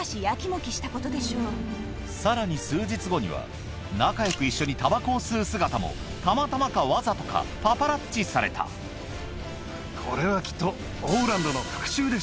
さらに数日後には仲良く一緒にたばこを吸う姿もたまたまかわざとかパパラッチされたこれはきっと。